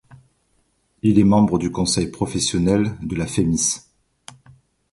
Elle est membre du Conseil Professionnel de la Femis.